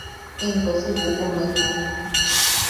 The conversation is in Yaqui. Into si buʼume.